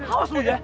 awas dulu ya